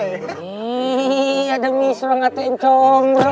ih ada misruang atuhin combro